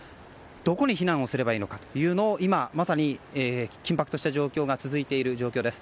どこに避難すればいいのかまさに今、緊迫した状況が続いている状況です。